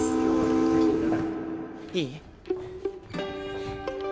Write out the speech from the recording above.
いい？